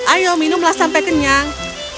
ayo minumlah sampai kenyang